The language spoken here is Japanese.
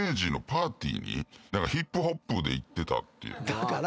だから。